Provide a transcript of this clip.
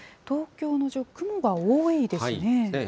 東京の上空、雲が多いですね。